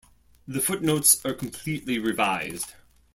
The footnotes are completely revised.